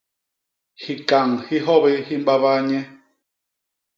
Hikañ hi hyobi hi mbabaa nye.